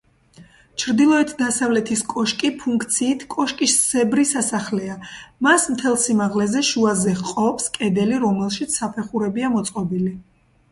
ჩრდილოეთ-დასავლეთის კოშკი ფუნქციით კოშკისებრი სასახლეა, მას მთელ სიმაღლეზე შუაზე ჰყოფს კედელი, რომელშიც საფეხურებია მოწყობილი.